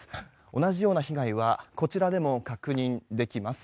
同じような被害はこちらでも確認できます。